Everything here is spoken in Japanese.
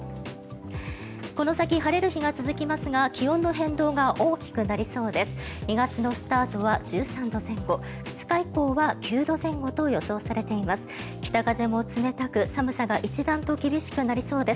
この先、晴れる日が続きますが気温の変動が大きくなりそうです。